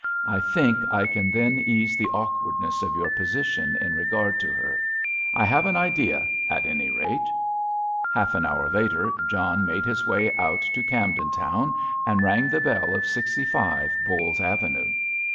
I think I can then ease the awkwardness of your position in regard to her. I have an idea at any rate." Half an hour later John made his way out to Camden Town, and rang the bell of 65, Bowles Avenue.